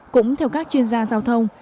cũng theo các chuyên gia giao thông